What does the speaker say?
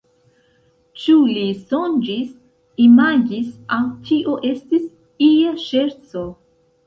Ĉu li sonĝis, imagis aŭ tio estis ia ŝerco?